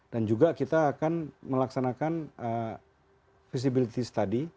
dan juga kita akan melaksanakan feasibility study